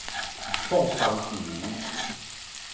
創空球